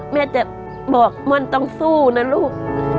แม่จะบอกม่อนต้องสู้นะลูก